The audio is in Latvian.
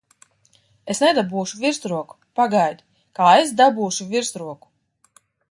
Es nedabūšu virsroku! Pagaidi, kā es dabūšu virsroku!